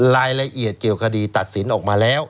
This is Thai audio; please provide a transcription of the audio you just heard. รายละเอียดเกี่ยวคดีตัดสินออกมาแล้ว